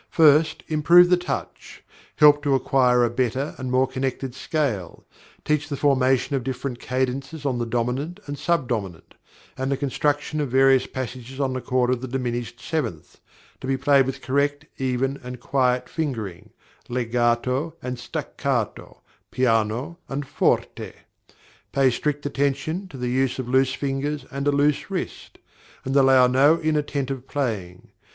First, improve the touch; help to acquire a better and more connected scale; teach the formation of different cadences on the dominant and sub dominant; and the construction of various passages on the chord of the diminished seventh, to be played with correct, even, and quiet fingering, legato and staccato, piano, and forte; pay strict attention to the use of loose fingers and a loose wrist; and allow no inattentive playing.